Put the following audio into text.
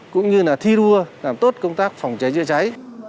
cũng như thi đua làm tốt công tác phòng cháy chữa cháy